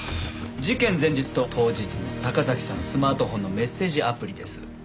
事件前日と当日の坂崎さんのスマートフォンのメッセージアプリです。